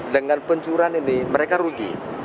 dengan pencurian ini mereka rugi